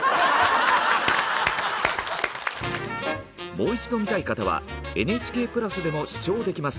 もう一度見たい方はＮＨＫプラスでも視聴できます。